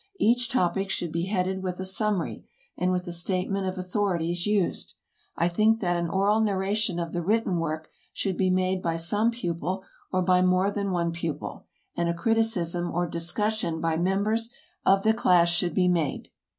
Each topic should he headed with a summary, and with a statement of authorities used. I think that an oral narration of the written work should be made by some pupil or by more than one pupil, and a criticism or discussion by members of the class should be made.